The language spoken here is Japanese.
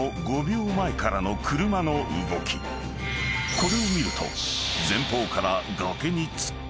［これを見ると］